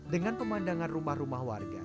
dengan pemandangan rumah rumah warga